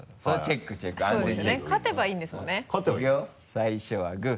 最初はグー。